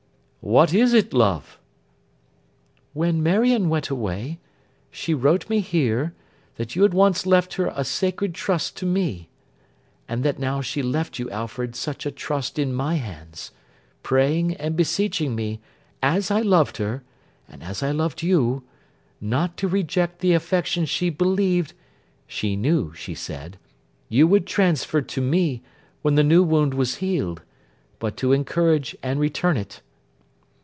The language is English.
'What is it, love?' 'When Marion went away, she wrote me, here, that you had once left her a sacred trust to me, and that now she left you, Alfred, such a trust in my hands: praying and beseeching me, as I loved her, and as I loved you, not to reject the affection she believed (she knew, she said) you would transfer to me when the new wound was healed, but to encourage and return it.